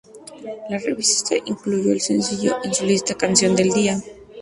La revista Q incluyó el sencillo en su lista "Canción del día".